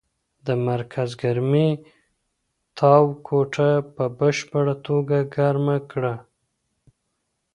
د مرکز ګرمۍ تاو کوټه په بشپړه توګه ګرمه کړه.